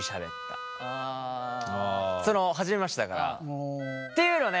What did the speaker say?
その初めましてだから。っていうのをね